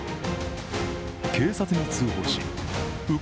警察に通報し受け